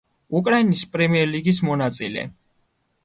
უკრაინის პრემიერლიგის მონაწილე.